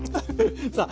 さあ